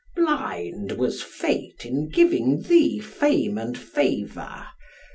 Blind was fate in giving thee fame and favour.